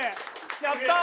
やったー！